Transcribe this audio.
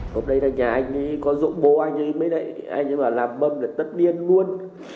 hôm nay nhà anh ấy có dỗ bố anh ấy mới đấy anh ấy bảo làm bâm là tất niên luôn